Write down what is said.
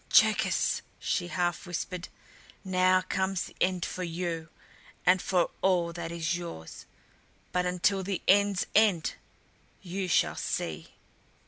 "Cherkis!" she half whispered. "Now comes the end for you and for all that is yours! But until the end's end you shall see."